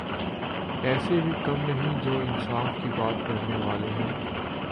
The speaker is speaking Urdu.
ایسے بھی کم نہیں جو انصاف کی بات کرنے والے ہیں۔